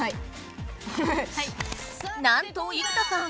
なんと生田さん